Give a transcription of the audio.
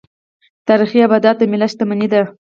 تاریخي ابدات د ملت شتمني ده.